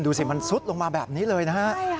ดูสิมันซุดลงมาแบบนี้เลยนะฮะ